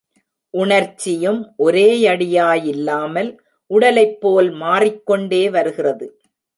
உணர்ச்சியும் ஒரேயடியா யில்லாமல் உடலைப் போல் மாறிக்கொண்டே வருகிறது.